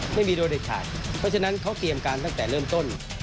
ไม่มีโดยเด็ดขาดเพราะฉะนั้นเขาเตรียมการตั้งแต่เริ่มต้น